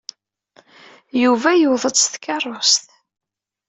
Yuba yewweḍ-d s tkeṛṛust.